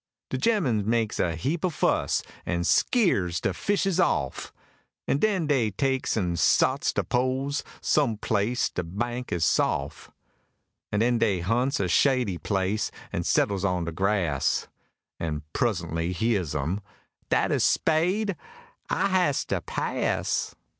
De gemmen makes a heap o'fuss, an skeers de fishes off, An' den dey takes an' sots de poles, some place de bank is sof, An' den dey hunts a shady place, an' settles on de grass, An' pruz'ntly heahs 'em: "Dat a spade? I has to pass!"